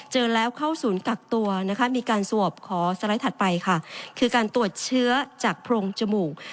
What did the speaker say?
เจอแล้วเข้าศูนย์กักตัวนะคะมีการสวบขอสไลด์ถัดไปค่ะคือการตรวจเชื้อจากโพรงจมูก